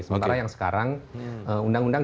sementara yang sekarang undang undang